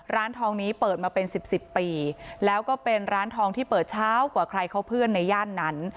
ร้านทองนี้เปิดมาเป็นสิบสิบปีแล้วก็เป็นร้านทองที่เปิดเช้ากว่าใครเขาเพื่อนในย่านนั้น